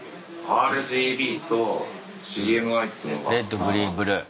レッドグリーンブルー。